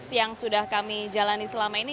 yang sudah kami jalani selama ini